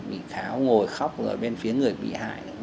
bị cáo ngồi khóc rồi bên phía người bị hại